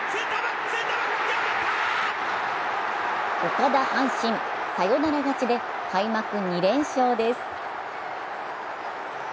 岡田阪神、サヨナラ勝ちで開幕２連勝です。